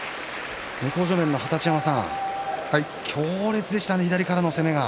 向正面の二十山さん強烈でしたね、左からの攻めが。